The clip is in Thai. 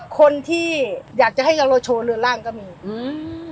คนที่อยากจะให้เราโชว์เรือนร่างก็มีอืม